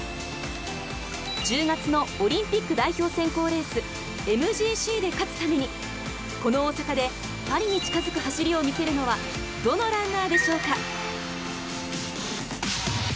１０月のオリンピック代表選考レースＭＧＣで勝つためにこの大阪でパリに近づく走りを見せるのはどのランナーでしょうか。